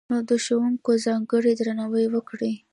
نو، د ښوونکي ځانګړی درناوی وکړئ!